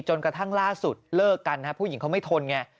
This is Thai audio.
จนกระทั่งล่าสุดเลิกกันผู้หญิงเขาไม่ทนไง